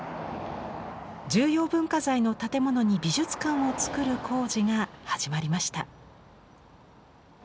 重要文化財の建物に美術館を造る工事が始まりました。